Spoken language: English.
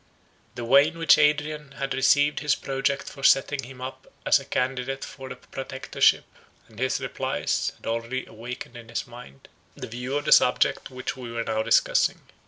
The way in which Adrian had received his project for setting him up as a candidate for the Protectorship, and his replies, had already awakened in his mind, the view of the subject which we were now discussing.